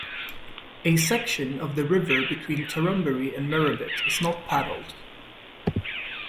A section of the river between Torrumbarry and Murrabit is not paddled.